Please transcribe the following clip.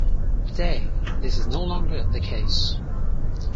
Today, this is no longer the case.